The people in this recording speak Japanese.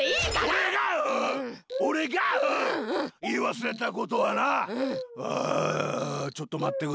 おれがおれがいいわすれたことはなはあちょっとまってくれ。